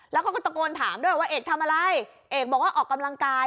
แล้วเขาก็ตะโกนถามด้วยว่าเอกทำอะไรเอกบอกว่าออกกำลังกาย